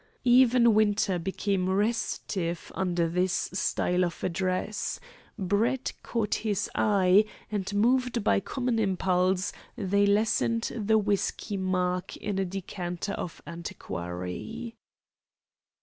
Even Winter became restive under this style of address. Brett caught his eye, and moved by common impulse, they lessened the whisky mark in a decanter of Antiquary.